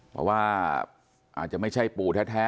เพราะว่าอาจจะไม่ใช่ปูแท้